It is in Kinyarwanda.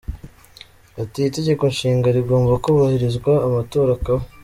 Ati “Itegeko Nshinga rigomba kubahirizwa, amatora akaba.